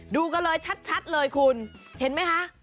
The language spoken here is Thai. ดูกันเลยชัดเลยคุณเห็นไหมคะ